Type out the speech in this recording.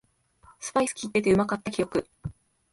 スパイスきいててうまかった記憶